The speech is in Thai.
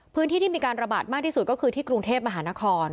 พื้นที่ที่มีการระบาดมากที่สุดก็คือที่กรุงเทพมหานคร